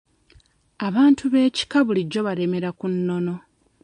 Abantu b'ekika bulijjo balemera ku nnono.